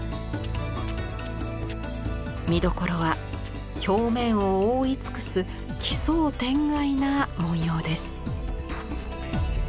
見どころは表面を覆い尽くす奇想天外な文様です。